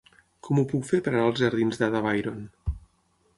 Com ho puc fer per anar als jardins d'Ada Byron?